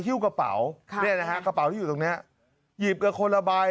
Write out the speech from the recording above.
ฮิ้วกระเป๋าค่ะเนี่ยนะฮะกระเป๋าที่อยู่ตรงเนี้ยหยิบกันคนละใบ